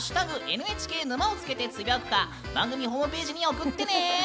「＃ＮＨＫ沼」をつけてつぶやくか番組ホームページに送ってね。